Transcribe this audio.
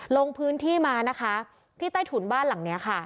ลงพื้นที่มานะคะที่ใต้ถุนบ้านหลังนี้ค่ะ